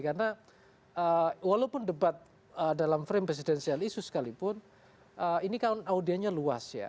karena walaupun debat dalam frame presidential issue sekalipun ini kan audianya luas ya